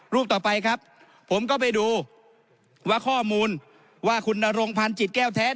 ต่อไปครับผมก็ไปดูว่าข้อมูลว่าคุณนรงพันธ์จิตแก้วแท้